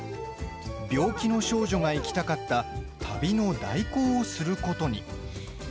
病気の少女が行きたかった旅の代行をすることに。